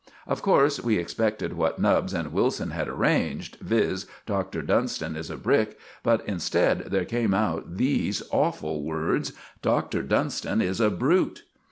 Of course, we expected what Nubbs and Wilson had arranged, viz., "Doctor Dunston is a Brick!" but instead there came out these awful words: "DOCTOR DUNSTON IS A BRUTE!"